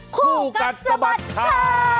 คู่กัดสะบัดข่าว